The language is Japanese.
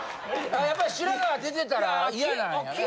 やっぱり白髪が出てたらイヤなんやな。